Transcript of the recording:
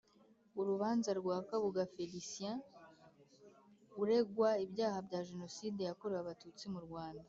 Urubanza rwa Kabuga Félicien uregwa ibyaha bya jenoside yakorewe abatutsi mu Rwanda.